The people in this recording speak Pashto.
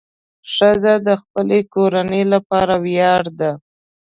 ښځه د خپل کورنۍ لپاره ویاړ ده.